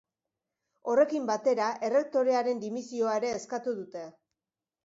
Horrekin batera, errektorearen dimisioa ere eskatu dute.